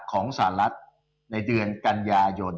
ของสหรัฐในเดือนกันยายน